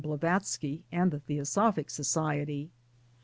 Blavatsky and the Theosophic Society.